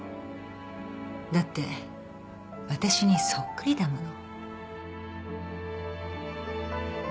だって私にそっくりだもの。